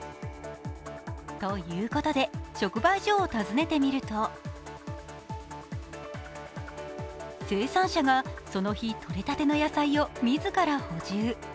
ということで、直売所を訪ねてみると生産者がその日とれたての野菜を自ら補充。